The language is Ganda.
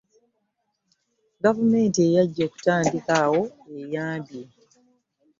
Gavumenti ejja kutandikira awo ebayambe.